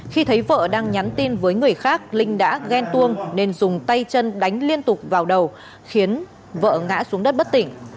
khi thấy vợ đang nhắn tin với người khác linh đã ghen tuông nên dùng tay chân đánh liên tục vào đầu khiến vợ ngã xuống đất bất tỉnh